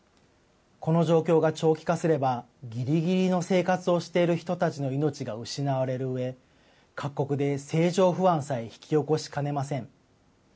この状況が長期化すれば、ぎりぎりの生活をしている人たちの命が失われるうえ、各国で政情不安さえ引き起こしかねません。